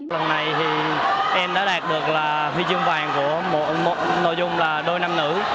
lần này em đã đạt được phi chương vàng của một nội dung là đôi nam nữ